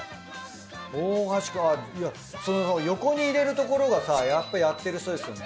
大橋くんはその横に入れるところがさやっぱやってる人ですよね。